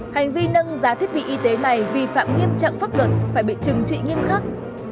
hành vi nâng giá thiết bị y tế này vi phạm nghiêm trọng pháp luật phải bị trừng trị nghiêm khắc